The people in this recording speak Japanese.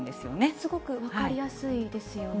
すごく分かりやすいですよね。